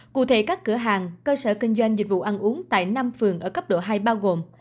cụ thể các cửa hàng cơ sở kinh doanh dịch vụ ăn uống tại năm phường ở cấp độ hai bao gồm